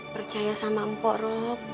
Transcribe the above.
percaya sama empok rob